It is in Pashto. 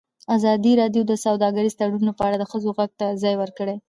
ازادي راډیو د سوداګریز تړونونه په اړه د ښځو غږ ته ځای ورکړی.